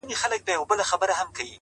دا خپله وم ـ